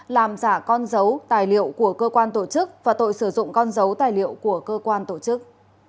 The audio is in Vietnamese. làm giả con dấu tài liệu của cơ quan tổ chức và tội sử dụng con dấu tài liệu của cơ quan tổ chức